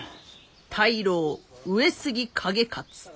大老上杉景勝。